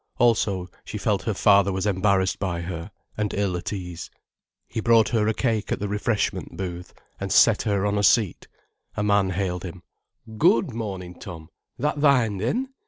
Also she felt her father was embarrassed by her, and ill at ease. He brought her a cake at the refreshment booth, and set her on a seat. A man hailed him. "Good morning, Tom. That thine, then?"